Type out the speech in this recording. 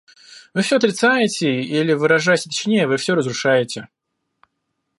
Вы все отрицаете, или, выражаясь точнее, вы все разрушаете...